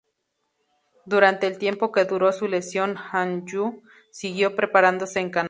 Durante el tiempo que duró su lesión Hanyu siguió preparándose en Canadá.